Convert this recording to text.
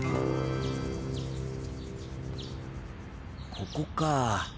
ここか。